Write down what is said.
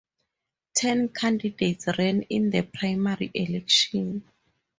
Ten candidates ran in the primary election.